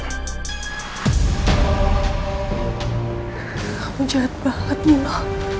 kamu jahat banget nino